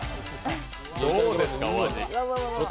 どうですかお味。